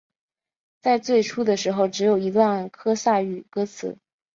在最初的时候只有一段科萨语歌词。